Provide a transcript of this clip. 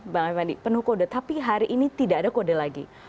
bang effendi penuh kode tapi hari ini tidak ada kode lagi